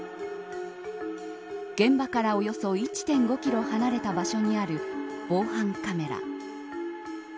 現場からおよそ１．５キロ離れた場所にある防犯カメラ。